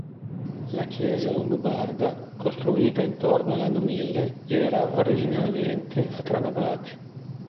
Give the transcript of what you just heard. La chiesa longobarda, costruita intorno all'anno mille, era originariamente a tre navate.